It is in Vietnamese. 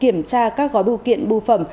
kiểm tra các gói bưu kiện bưu phẩm